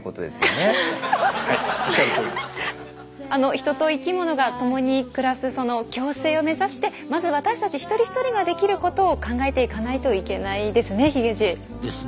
人と生きものが共に暮らす共生を目指してまず私たち一人一人ができることを考えていかないといけないですね。